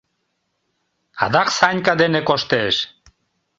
Адак Санька дене коштеш...